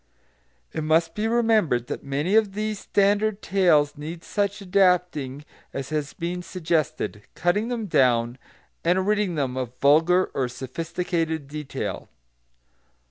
It must be remembered that many of these standard tales need such adapting as has been suggested, cutting them down, and ridding them of vulgar or sophisticated detail.